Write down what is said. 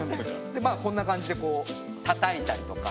こんな感じでこうたたいたりとか。